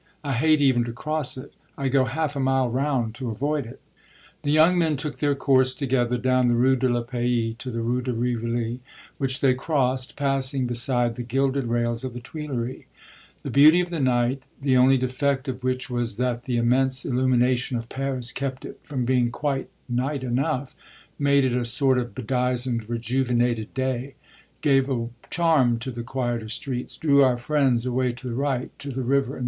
I hate even to cross it I go half a mile round to avoid it." The young men took their course together down the Rue de la Paix to the Rue de Rivoli, which they crossed, passing beside the gilded rails of the Tuileries. The beauty of the night the only defect of which was that the immense illumination of Paris kept it from being quite night enough, made it a sort of bedizened, rejuvenated day gave a charm to the quieter streets, drew our friends away to the right, to the river and the bridges, the older, duskier city.